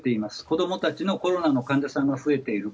子供たちのコロナの患者さんは増えている。